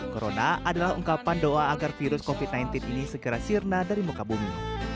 corona adalah ungkapan doa agar virus covid sembilan belas ini segera sirna dari muka bumi